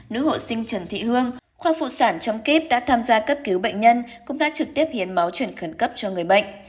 nữ hộ sinh trần thị hương khoa phụ sản trong kíp đã tham gia cấp cứu bệnh nhân cũng đã trực tiếp hiến máu chuyển khẩn cấp cho người bệnh